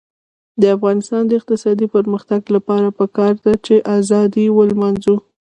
د افغانستان د اقتصادي پرمختګ لپاره پکار ده چې ازادي ولمانځو.